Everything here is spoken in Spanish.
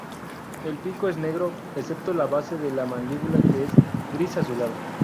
El pico es negro, excepto la base de la mandíbula que es gris azulado.